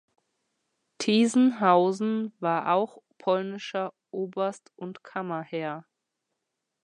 Tiesenhausen war auch polnischer Oberst und Kammerherr.